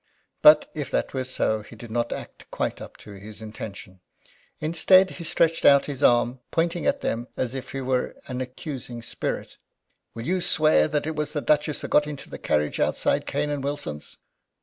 But, if that were so, he did not act quite up to his intention. Instead, he stretched out his arm, pointing at them as if he were an accusing spirit: "Will you swear that it was the Duchess who got into the carriage outside Cane and Wilson's?"